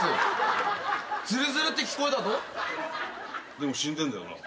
でも死んでんだよな。